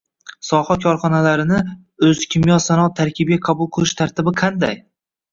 Soha korxonalarini “O’zkimyosanoat” tarkibiga qabul qilish tartibi qanday?